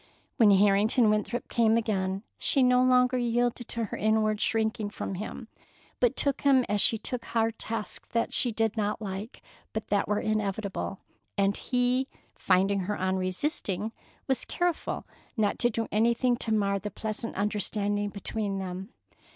When Harrington Winthrop came again, she no longer yielded to her inward shrinking from him, but took him as she took hard tasks that she did not like but that were inevitable; and he, finding her unresisting, was careful not to do anything to mar the pleasant understanding between them.